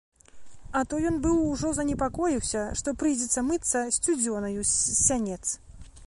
А то ён быў ужо занепакоіўся, што прыйдзецца мыцца сцюдзёнаю з сянец.